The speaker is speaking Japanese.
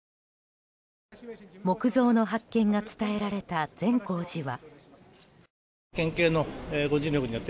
木像の発見が伝えられた善光寺は。